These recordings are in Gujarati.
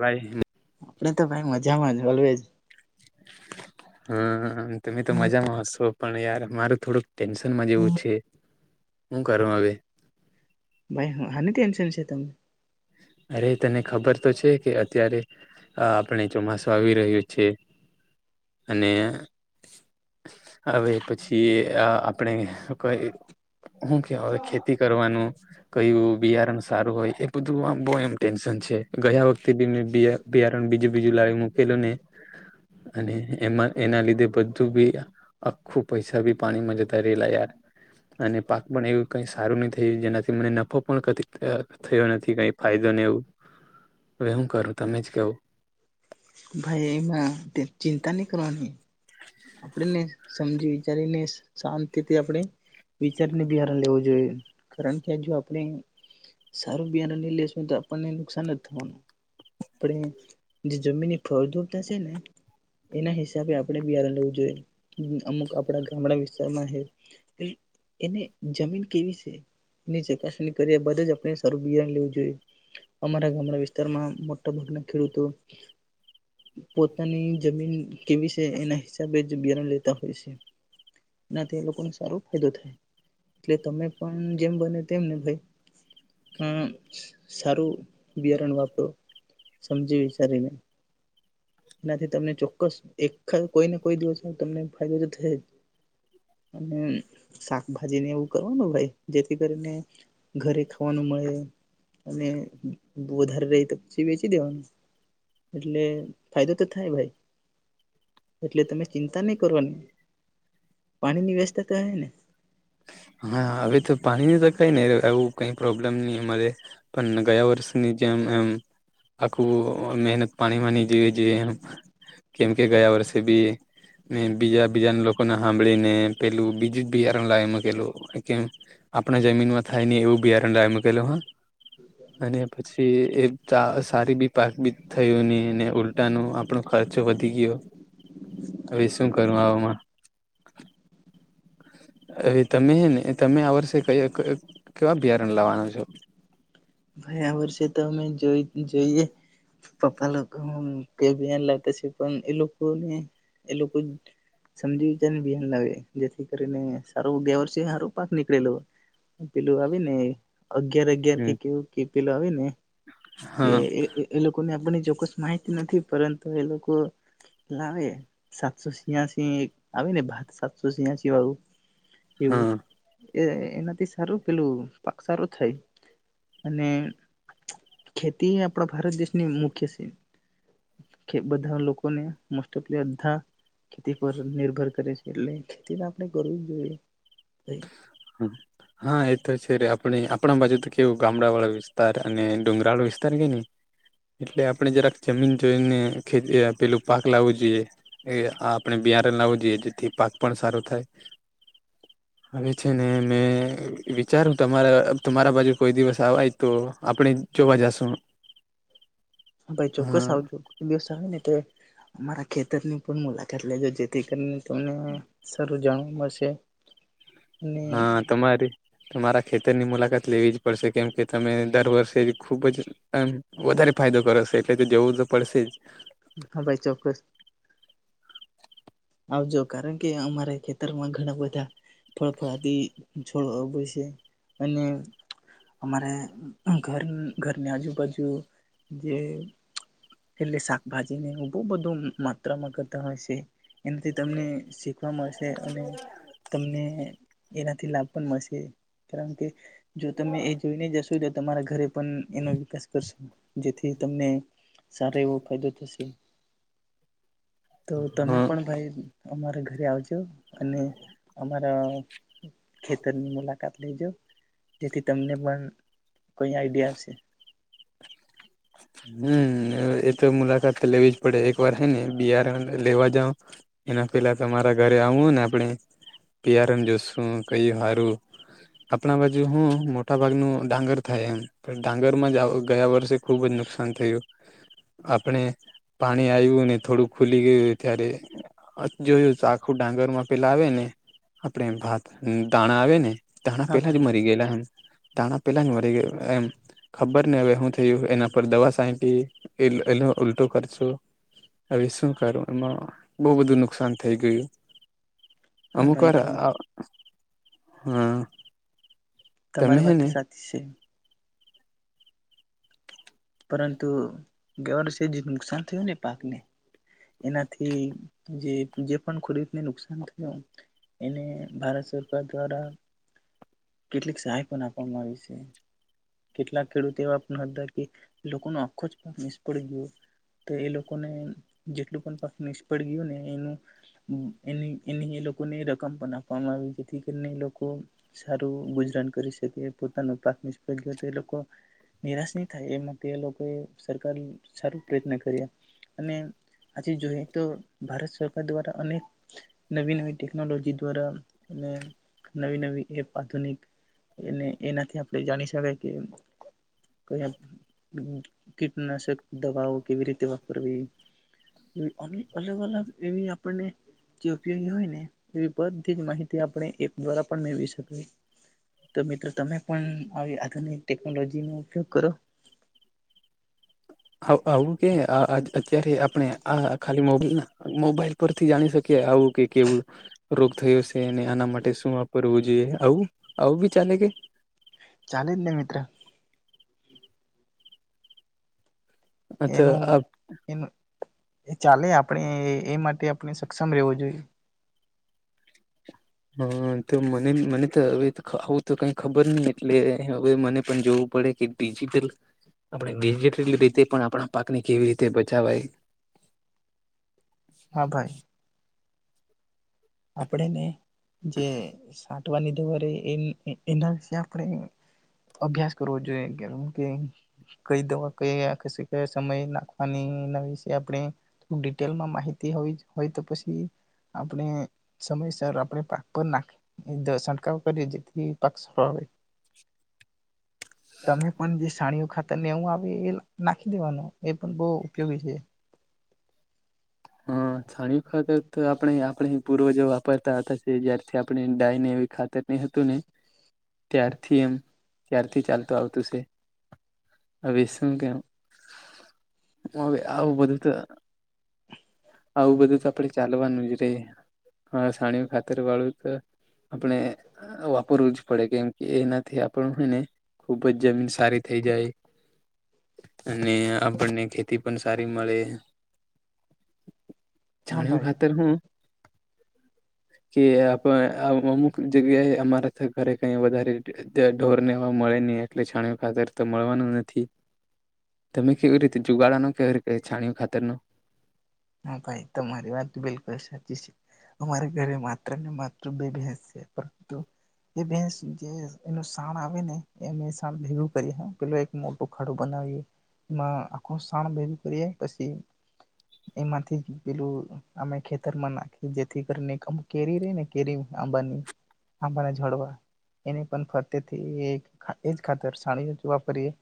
બાઈ. આપડે તો ભાઈ મજામાં જ ઓલવેજ. હા તમે તો મજામાં હશો પણ યાર મારું થોડુંક ટેન્શનમાં જેવું છે શું કર હ. ભાઈ હનુ ટેન્શન છે તમ અરે તને ખબર તો છે કે અત્યારે હ આપણે ચોમાસું આવી રહ્યું છે. અને હવે પછી આપણે કઈ હું કે ખેતી કરવાનું કય બિયારણ સારું હોય એ બધું આમ બહ એમ ટેન્શન છે ગયા વખતે બી મે બિયારણ બીજું બીજું લાવ મકેલું ને અને એમાં એના લીધે બધું બી આખું પૈસા બી પાણીમાં જતા રેલા યાર અને પાક પણ એવું કઈ સારું નહી થય જેનાથી મને નફો પણ ક થયો નથી. કઈ ફાયદો ને એવું હવે શું કરું તમે જ કેવું. ભાઈ એમાં ચિંતા નહી કરવાની. આપણેને સમજી વિચારીને શાંત રીતે આપણે વિચારીને બિહારણ લેવું જોઈએ કારણ કે જો આપણે સારું બિહારણ ન લેશું તો આપણને નુકસાન જ થવાનું. જે જમીનની ફળદુળતા છે ને એના હિસાબે આપણે બિયારણ લેવું જોઈએ અમુક આપડા ગામડા વિસ્તારમાં છે એને જમીન કેવી છે એની ચકાસણી કરી બદ જ આપણે સારું બિયારણ લેવું જોઈએ અમારા ગામડા વિસ્તારમાં મો ભના ખેડૂતો પોતાની જમીન કેવી છે એના હિસાબે જ બિયારણ લેતા હોય છે એનાથી એ લોકોને સારો ફાયદો થાય એટલે તમે પણ જેમ બને તેમને ભાઈ આ સારું બિયારણ વાપરો. સમજી વિચારીને. એનાથી તમને ચોક્કસ એકા કોઈને કોઈ દિવસ તમને ફાયદો તો થાય જ અને શાકભાજીને એવું કરવાનું ભાઈ જેથી કરીને ઘરે ખાવાનું મળે અને વધારે રહી તો પછી વેચી દેવાનું. એટલે એ તો તો થાય ભાઈ. એટલે તમે ચિંતા નહી કરવાની. પાણીની વ્યવસ્થા તો હ ને. હા હવે તો પાણી ન તો કઈ નને એું કઈ પ્રોબ્લેમ નહી અમારે પણ ગયા વર્ષની જેમ એમ આખું મહેનત પાણીમાંની જેવી છે એમ કેમ કે ગયા વર્ષે બી બીજા બીજા લોકોને સાંભળીને પેલું બીજું જ બીયાર લાય લ કેમ આપણા જમીનમાં થાય નહ એવું બિયારડા એ મકેલો હા. અને પછી એ સારી બી પાક બી થયો નહી અને ઉલટા ન આપણો ખર્ચો વધી ગયો હવે શું કરું આવામાં? હવે તમે હ ને તમે આ વર્ષે ક કેવા અભિયારણ્ય લાવવાનું છ. ભાઈ આ વર્ષે તો અમે જો જોઈએ પપ્પા લોકો કે બન લાવતા છે પણ એ લોકોને એ લોકો સમજી જ બન લાવે જેથી કરીને સારો ગયા વર્ષે સારો પાક નીકળેલો. પેલું આવી ને એ અગિયાર અગિયાર હમ કેથી કેવું કે પેલા આવે ને કે હા એ લોકો ને આપણે ચોક્કસ માહિત નથી. પરંતુ એ લોકો લાવે સાતસો છિયાસી આવે ને ભાત સાતસો સિયાસી વાળું એવું. હા એ એનાથી સારું પેલું પાક સારો થાય. અને ખેતી આપણા ભારત દેશની મુખ્ય છે બધા લોકોને મોસ્ટ ઓફ બધા ખેતી પર નિર્ભર કરે છે. એટલે ખેતી તો આપણે કરવી જોઈએ. હા એ તો છે આપણે આપણા બાજુ તો કેવું ગામડા વાળા વિસ્તાર અને ડુંગરા વાળો વિસ્તાર કે નહી એટલે આપણે જરાક જમીન જોઈને ખેતી પેલું પાક લાવવું જોઈએ આપણે બિારા લાવવું જોઈએ જેથી પાક પણ સારો થાય હવે છે ને મેં વિચારું તમારા તમારા બાજુ કોઈ દિવસ આય તો આપણે જોવા જશું. ભાઈ ચોક્કસ હા આવજો દિવસ આવે ને અમારા ખેતરની પણ મુલાકાત લેજો જેથી કરીને તમને સારું જાણવા મળશે. અને હા તમારી તમારા ખેતરની મુલાકાત લેવી જ પડશે કેમ કે તમે દર વર્ષે ખુબ જ વધારે ફાયદો કરોશે એટલે તો જવું તો પડશે જ. હા ભાઈ ચોક્કસ. આવજો કારણ કે અમારા ખેતરમાં ઘણા બધા ફળફળાથી છોડવા હોય છે અને અમારે ઘર ઘરની આજુબાજુ જે એટલે શાકભાજી ને એ બહુ બધું માત્રામાં કરતા હોય છે. એનાથી તમને શીખવા મળશે અને તમને એનાથી લાભ પણ મળશે કારણ કે જો તમે એ જોઈને જશો. ઈ તમારા ઘરે એનો વિકાસ કરશ જેથી તમને સારા એવો ફાયદો થશે. તો તમે હા પણ ભાઈ અમારે ઘરે આવજો અને અમારા ખેતરની મુલાકાત લેજો. જેથી તમને પણ કઈ આઈડિયા હશે. હમ એ તો મુલાકાત લેવી જ પડે એક વાર હ ને બિયારણ લેવા જાવ એના પેલા તમારા ઘરે આવું ને આપણે બિયારણ જો કઈ હારું આપણા બાજુ હું મોટા ભાગનું ડાંગર થાય એમ ડાંગર જ ગયા વર્ષે ખુબ જ ન નુકસાન થયું આપણે પાણી [unintelligible] થોડું ખુલી ગયું ત્યારે જોયું આખું ડાંગર માં પેલા આવે ને આપણે ભાત દાણા આવે ને ધણા હા પેલા જ ભાઈ મરી ગયેલા એમ. દાણા પેલાની મરી ગ એમ. ખબર ને હવે હું થું એના ઉપર દવા છાયટી એ ઉલટો ખર્ચો હવે શું કરું એમાં બહ બધું નુકસાન થઈ ગયું. હા અમુક ભાઈ વાર હા તમારી વાત સાચી છે. પરંતુ ગયા વર્ષે જે નુકસાન થયું ને પાકને એનાથી જે પણ ખોડકને નુકસાન થયું એને ભારત સરકાર દ્વારા કેટલીક સહાય પણ આપવામાં આવી છે. કેટલાક ખેડૂત એવા હતા કે લોકો ન આખો જ પાક નિષ્ફળ ગયો તો એ લોકોને જેટલું પણ પાક નિષ્ફળ ગયું ને એનું એ એની એ લોકોને રકમ પણ આપવામાં આવી જેથી કરીને એ લોકો સારું ગુજરાન કરી શકે પોતાનું પાક નિષ્ નિરાશ નહી થાય એમાં લોકોએ સરકાર સારું પ્રયત્ન કરી્યા અને આજે જોઈએ તો ભારત સરકાર દ્વારા અનેક નવી નવી ટેકનોલોજી દ્વારા અને નવી નવી એપ આધુનિક એનાથી આપણે જાણી ક કીટનાશક દવાઓ કેવી રીતે [inaudible] અલગ અલગ એવી આપણને જે ઉપયોગી હોય ને એવી બધી જ માહિતી આપણે એ દ્વારા પણ મેળવીકી તો મિત્રો તમે પણ તમે ટેકનોલોજી નો ઉપયોગ કરો આવું કે અત્યારે આપણે આ ખાલી મોબલ મોબાઈલ પરથી જાણી શકીએ આવું કે કેવું રોગ થયો છે અને આના માટે શું વાપરવું જોઈએ આવું આવું બી ચાલે કે ચાલે જ ને મિત્ર. આ તો એનું આ એનું એ ચાલે આપણે એ એ માટે આપણે સક્ષમ રહેવું જોઈએ. હા તો મને મને તો હવે આવું તો કઈ ખબર નહી એટલે હવે મને પણ જોવું પડે કે ડિજિટલ આપણેેલ રીતે પણ આપ પા ને કેવી રીતે બચાવાય. હા ભાઈ શ આપણેને જે કટવાની દવા ર એ એના વિશે આપણે અભ્યાસ કરવો જોઈએ કેમ કે કઈ દવા કયા સમય નાખવાની એના વિશે આપણે ડિટેલમાં માહિતી હો હોય તો પછી આપણે સમયસર આપણે પાક પર નાખી છંટકાવ કરીએ જેથી પાક સો આવે. તમે પણ જે સાણીઓ ખાતર ને એવું આવે એ નાખી દવાનું એ એ પણ બહ ઉપયોગ છે. હા છાણી ખાતર તો આપણે આપણે પૂરો જે રતાશે જ્યારથી આપણે ડાયને એવી ખાતર ન હતું ને. ત્યારથી એમ. ક્યારથી ચાલતું આવતું છે. આ વસંગમ હવે આવું બધું તો આવું બધું તો આપડે ચાલવાનું જ રે. હા સાણી ખાતર વાળું તો આપણે વાપરવ જ પડે કેમ. કે એનાથી આપણ હોને, ખૂબ જ જમીન સારી થઈ જાય, અને આપણને ખેતી પણ સારી મળે. હા જાણ્યું ભાઈ ખાતર હું કે આપમ જગ્યાએ અમારા ઘરે કઈ વધારે ઢોરનેવા મળે નહી એટલે છાણ ખાતર તો મળવાનું નથી. તમે કેવી રીતે જુગાડા કેવી રીતે છાણી ખા તેનું હા ભાઈ તમારી વાત બિલકુલ સાચી છે, અમારા ઘરે માત્ર ને માત્ર બે ભેંસ છે પરંતુ એ બેન એનું શાણ આવે ને એ શ ભેગું કરીએ પે એક મોટું ખાડું બનાવીએ એમાં, આખું શણ ભેગું કરીએ પછી એમાંથી પેલું અમે ખેતરમાં નાખી જેથી કરીને કેરી ર ને કેરી આંબાની આંબાના જડવા એને પણ ફતેથી એ ખાતર સાણી વાપરીએ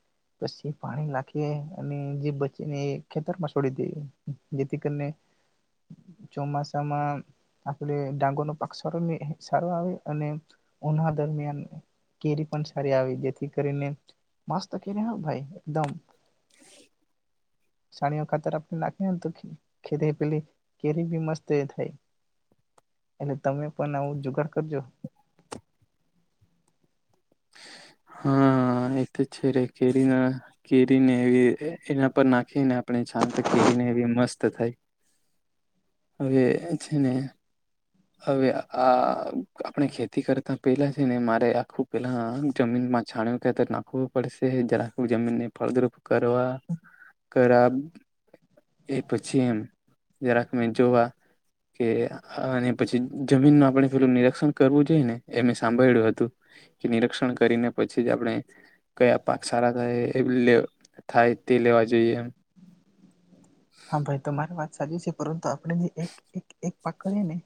પછી પાણી નાખીએ અને જે બચીને ખેતરમાં છોડી દેએ. જેથી કરીને ચોમાસામાં આપ ડાંગો નો પાક સારો સારો આવે અને ઉના દરમિયાન કેરી પણ સાડી આવી જેથી કરીને મસ્ત કેરી ભાઈ એકદમ સાડીઓ ખાતર આપણે તો ખેરી પેલી કેરી બી મસ્ત થાય એટલે તમે પણ આવું જુગડ કરજો. હા એ તો છે ર કેરીના કેરીને એવી એના પર નાખીને આપણે જ તો કેરીને એવી મસ્ત થાય હવે છે ને હવે આ આપણે ખેતી કરતા પેલા છેને મારે આખું પેલા જમીનમાં છાણ્યું કે નાખવું પડશે જ્યારે આખ જમીનને ફળદ્રુપ કરવા. ખરાબ એ પછી એમ જરાક મેં જોવા કે પછી જમીનનું આપણે પેલું નિરીક્ષણ કરવું જોઈએ ને એમ સાંભળ્યું હતું કે નિરીક્ષણ કરીને પછી જ આપણે કયા પાક સારા થાય એ લે થાય તે લેવા જોઈએ એમ. હા ભાઈ તમારી વાત સાજસે એ પરરંત આપણેની એક એક એક પાક કરીએ ને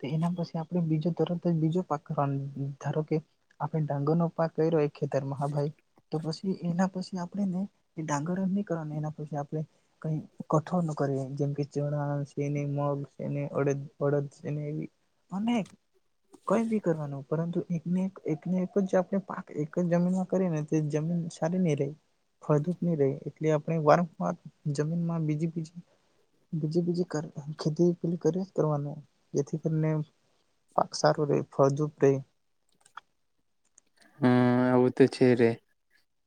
તો એના પછી આપડે બીજો તરત બીજો પાક ધારો કે આપે ડાંગર નો પાક કર્યો ખેતર મહાભાઈ તો પછી એના પછી આપણે ને ડંગર નહી કરવાનું એના પછી આપણે કઈ કઠોન કરે જેમ કે ચણા છેને મગ છેને અડ અડદ છેને એવી ન કઈ બી કરવાનું પરંતુ એકને એક એકને એક જ આપણે પાક એક જ જમીનમાં કરીએ ને તે જમીન સારી નહી રહી. ફાયદો જ નહી ર રહે. એટલે આપણે વારંવાર જમીનમાં બજ બીજી બીજી ખેતી પે કરે કરવાનું જેથી કરીને પાકસાર ર ફળદુપ રે હમ આવું તો છે રે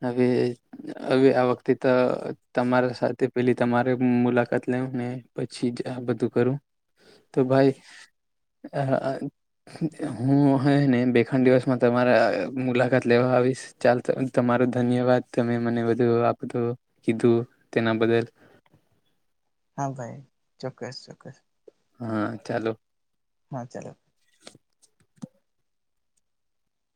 હવે હવે આ વખતે તો તમારા સાથે પેલી તમારે મુલાકાત લેવ ને પછી જ આ બધું કરું. તો ભાઈ હું હ ને બેખાંડ દિવસમાં તમારા મુલાકાત લેવા આવીશ ચાલ તમારો ધન્યવાદ તમે મને બધું આપતું કીધું તેના બદલ હા ભાઈ ચોક્કસ ચોક્કસ હા ચાલો હા ચાલો